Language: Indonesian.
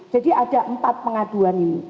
jadi ada empat pengaduan ini